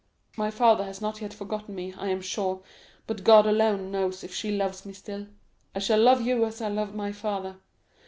My father has not yet forgotten me, I am sure, but God alone knows if she loves me still; I shall love you as I loved my father."